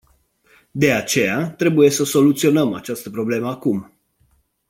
De aceea, trebuie să soluționăm această problemă acum.